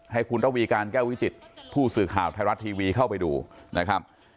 ให้คุณระวีการแก้ววิจิตผู้สื่อข่าวไทยรัฐทีวีเข้าไปดูนะครับ